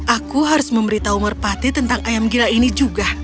aku harus memberitahu merpati tentang ayam gila ini juga